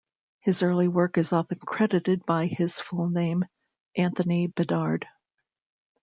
His early work is often credited by his full name - Anthony Bedard.